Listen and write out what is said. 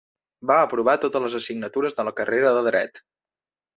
Va aprovar totes les assignatures de la carrera de Dret.